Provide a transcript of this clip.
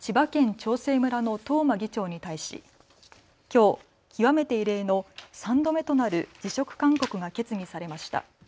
長生村の東間議長に対し、きょう極めて異例の３度目となる辞職勧告が決議されました。